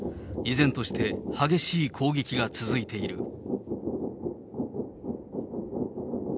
依然として激しい攻撃が続いている。